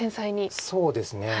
そうですね。